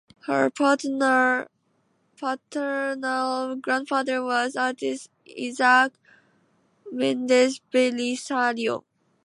Her paternal grandfather was artist Isaac Mendes Belisario.